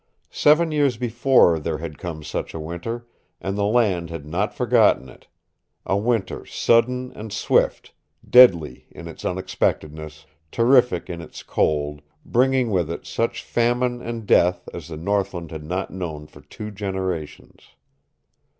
Seven years before there had come such a winter, and the land had not forgotten it a winter sudden and swift, deadly in its unexpectedness, terrific in its cold, bringing with it such famine and death as the Northland had not known for two generations.